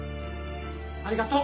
ありがとう。